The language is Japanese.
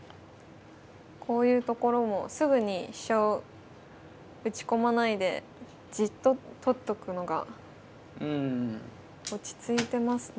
こういうところもすぐに飛車を打ち込まないでじっと取っとくのが落ち着いてますね。